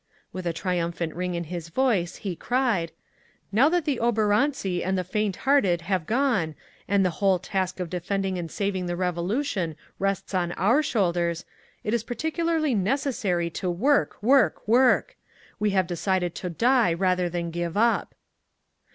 With a triumphant ring in his voice he cried, "Now that the oborontsi and the faint hearted have gone, and the whole task of defending and saving the Revolution rests on our shoulders, it is particularly necessary to work—work—work! We have decided to die rather than give up!"